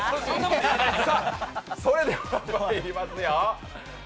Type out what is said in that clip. それではまいりますよ。